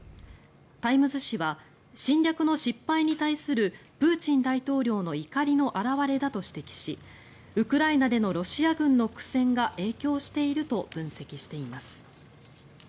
タイムズ紙は侵略の失敗に対するプーチン大統領の怒りの表れだと指摘しウクライナでのロシア軍の苦戦が影響していると分析しています。